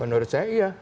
menurut saya iya